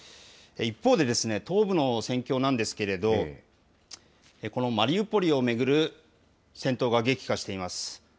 一方で、東部の戦況なんですけれども、このマリウポリを巡る戦闘が激化しています。